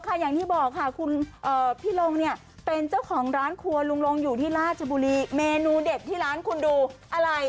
อย่างที่บอกค่ะคุณพี่ลงเนี่ยเป็นเจ้าของร้านครัวลุงลงอยู่ที่ราชบุรีเมนูเด็ดที่ร้านคุณดูอะไร